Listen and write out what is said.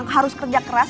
harus kerja keras